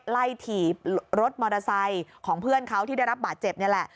ถีบรถมอเตอร์ไซค์ของเพื่อนเขาที่ได้รับบาดเจ็บนี่แหละ